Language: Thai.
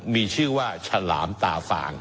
มีชื่อว่าฉลามตาฟาง